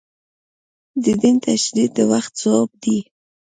د دین تجدید د وخت ځواب دی.